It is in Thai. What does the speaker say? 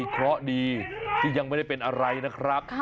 เพราะดีที่ยังไม่ได้เป็นอะไรนะครับ